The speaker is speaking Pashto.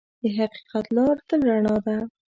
د حقیقت لار تل رڼا ده.